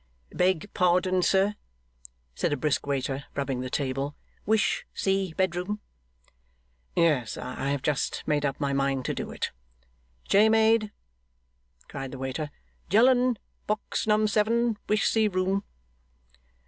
'Beg pardon, sir,' said a brisk waiter, rubbing the table. 'Wish see bed room?' 'Yes. I have just made up my mind to do it.' 'Chaymaid!' cried the waiter. 'Gelen box num seven wish see room!